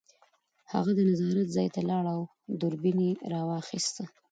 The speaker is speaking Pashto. هغه د نظارت ځای ته لاړ او دوربین یې راواخیست